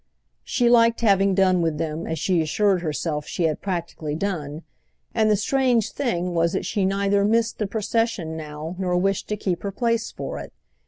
She liked having done with them, as she assured herself she had practically done, and the strange thing was that she neither missed the procession now nor wished to keep her place for it.